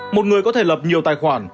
một người có thể lập nhiều tài khoản